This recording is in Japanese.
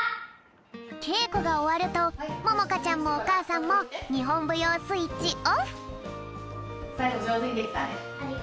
けいこがおわるとももかちゃんもおかあさんもにほんぶようスイッチオフ！